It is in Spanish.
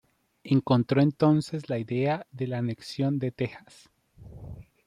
Encontró entonces la idea de la anexión de Texas.